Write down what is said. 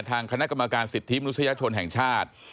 ทางคณะกรรมการสิทธิมนุษยชนแห่งชาติ